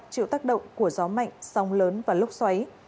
chịu tác động của gió mạnh sóng lớn và lốc xoáy